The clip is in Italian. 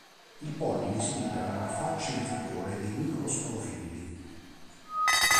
Il polline si libera dalla faccia inferiore dei microsporofilli.